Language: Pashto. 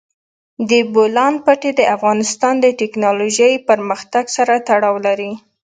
د بولان پټي د افغانستان د تکنالوژۍ پرمختګ سره تړاو لري.